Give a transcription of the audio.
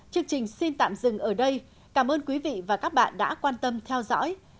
chương trình xin tạm dừng ở đây cảm ơn quý vị và các bạn đã quan tâm theo dõi